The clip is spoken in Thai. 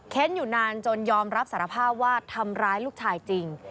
อยู่นานจนยอมรับสารภาพว่าทำร้ายลูกชายจริง